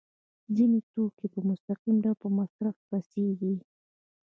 ځینې توکي په مستقیم ډول په مصرف رسیږي.